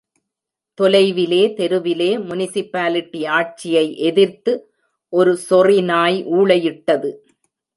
தொலைவிலே, தெருவிலே முனிசிபாலிடி ஆட்சியை எதிர்த்து ஒரு சொறிநாய் ஊளையிட்டது.